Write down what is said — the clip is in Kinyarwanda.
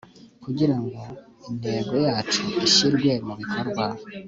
kugira ngo intego yacu ishyirwe mu bikorwa